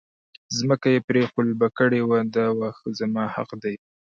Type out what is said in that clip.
ځمکه یې پرې قلبه کړې وه دا واښه زما حق دی.